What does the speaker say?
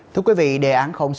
thưa quý vị đề án sáu